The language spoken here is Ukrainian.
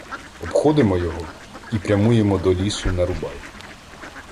Обходимо його і прямуємо до лісу Нерубай.